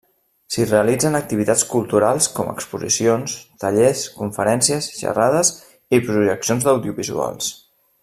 S'hi realitzen activitats culturals com exposicions, tallers, conferències, xerrades i projeccions d'audiovisuals.